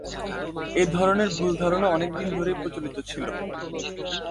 এ ধরনের ভুল ধারণা অনেকদিন ধরেই প্রচলিত ছিল।